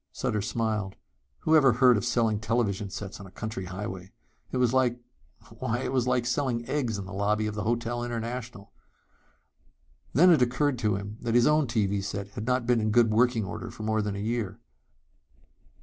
Sutter smiled. Whoever heard of selling television sets on a country highway? It was like why, it was like selling eggs in the lobby of the Hotel International! Then it occurred to him that his own TV set had not been in good working order for more than a year.